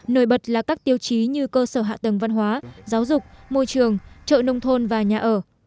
nổi bật là các tiêu chí như cơ sở hạ tầng văn hóa giáo dục môi trường chợ nông thôn và nhà ở